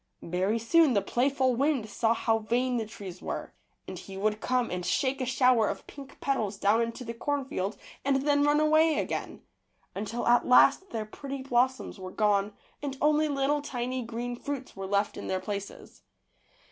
Very soon the playful wind saw how vain the trees were, and he would come and shake a shower of pink petals down into the cornfield and then run away again, until at last their pretty blossoms were gone and only little tiny green fruits were left in their places.